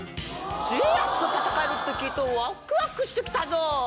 強えぇ奴と戦えるって聞いてワックワクして来たぞ。